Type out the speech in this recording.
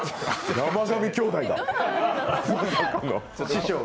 山上兄弟だ。